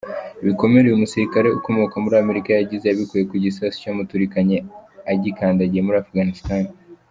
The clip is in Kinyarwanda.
Ibikomere uyu musirikare ukomoka muri Amerika yagize yabikuye ku gisasu cyamuturikanye agikandagiye muri Afghanistan.